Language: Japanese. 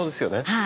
はい。